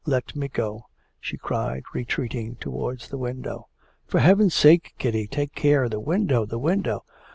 Let me go!' she cried, retreating towards the window. 'For heaven's sake, Kitty, take care the window, the window!'